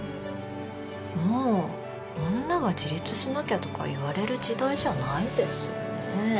もう女が自立しなきゃとか言われる時代じゃないですよね。